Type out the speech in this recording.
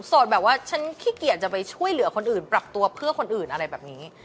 แบบว่าฉันขี้เกียจจะไปช่วยเหลือคนอื่นปรับตัวเพื่อคนอื่นอะไรแบบนี้